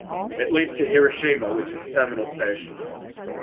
It leads to Hiroshima, which is a terminal station.